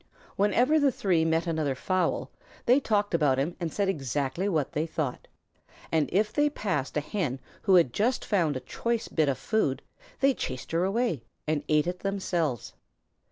Whenever the three met another fowl, they talked about him and said exactly what they thought, and if they passed a Hen who had just found a choice bit of food, they chased her away and ate it themselves.